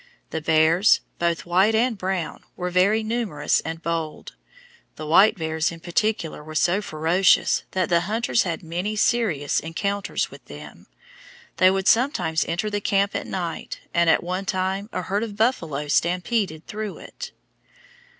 The bears, both white and brown, were very numerous and bold. The white bears in particular were so ferocious that the hunters had many serious encounters with them. They would sometimes enter the camp at night, and at one time a herd of buffalo stampeded through it.